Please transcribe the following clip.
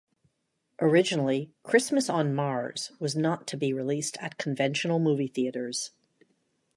Originally, "Christmas on Mars" was not to be released at conventional movie theaters.